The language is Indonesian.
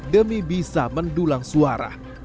demi bisa mendulang suara